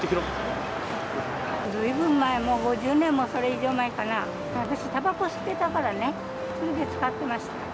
ずいぶん前、５０年もそれ以上前かな、私、たばこ吸ってたからね、それで使ってました。